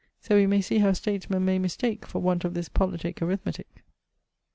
So we may see how statesmen may mistake for want of this Politique Arithmetique.